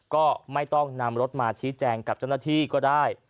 ก็ไม่ต้องนำรถมาชี้แจงกับเจ้าหน้าที่ก็ได้